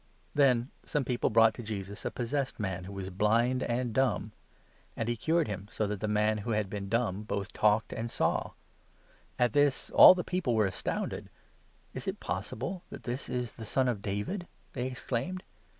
21 Cure of a blind Then some people brought to Jesus a possessed 22 and dumb man, who was blind and dumb ; and he cured Man him, so that the man who had been dumb both talked and saw. At this all the people were astounded. 23 "Is it possible that this is the son of David?" they exclaimed.